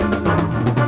terima kasih pak